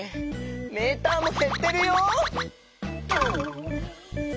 メーターもへってるよ！